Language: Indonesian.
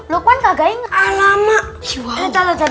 lukman kagak inget